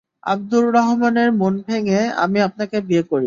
আব্দুল রহমানের মন ভেঙে, আমি আপনাকে বিয়ে করি।